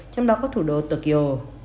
trong đó có thủ đô tokyo